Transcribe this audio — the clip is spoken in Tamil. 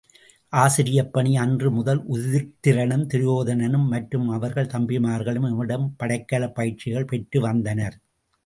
ஆசிரியப்பணி அன்று முதல் உதிட்டிரனும், துரியோதனனும் மற்றும் அவர்கள் தம்பிமார்களும் இவனிடம் படைக்கலப் பயிற்சிகள் பெற்று வந்தனர்.